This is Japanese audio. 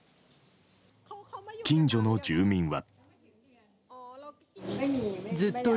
近所の住民は。